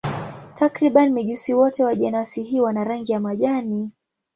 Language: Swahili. Takriban mijusi wote wa jenasi hii wana rangi ya majani.